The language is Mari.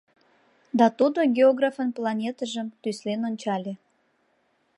Да тудо географын планетыжым тӱслен ончале.